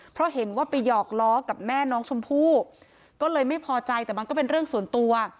เพราะเห็นว่าไปหยอกล้อกับแม่น้องชมพู่ก็เลยไม่พอใจแต่มันก็เป็นเรื่องส่วนตัว